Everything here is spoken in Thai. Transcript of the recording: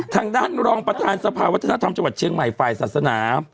ทางด้านรองประธานสภาวัฒนธรรมจังหวัดเชียงใหม่ฝ่ายศาสนา